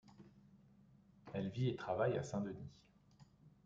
Elle vit et travaille à Saint-Denis.